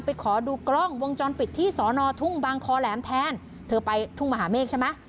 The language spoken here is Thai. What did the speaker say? ไปขอดูกล้องวงจรปิดที่สอนอทุ่งบางคอแหลมแทนเธอไปทุ่งมหาเมฆใช่ไหม